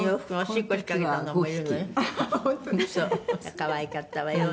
可愛かったわよ」